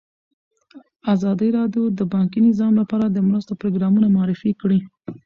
ازادي راډیو د بانکي نظام لپاره د مرستو پروګرامونه معرفي کړي.